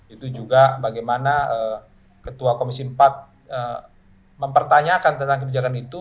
itu juga bagaimana ketua komisi empat mempertanyakan tentang kebijakan itu